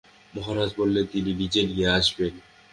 মহারাজা বললেন, তিনি নিজে নিয়ে আসবেন।